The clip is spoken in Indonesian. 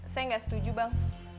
saya gak setuju bang